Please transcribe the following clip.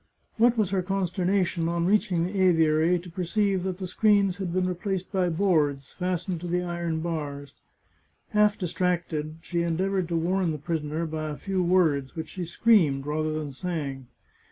What was her consternation, on reaching the aviary, to perceive that the screens had been replaced by boards, fastened to the iron bars. Half dis tracted, she endeavoured to warn the prisoner by a few words, which she screamed rather than sang.